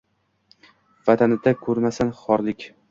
Ватанида кўрмасин хорлик